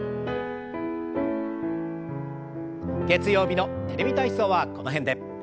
月曜日の「テレビ体操」はこの辺で。